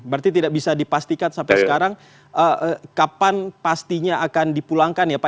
berarti tidak bisa dipastikan sampai sekarang kapan pastinya akan dipulangkan ya pak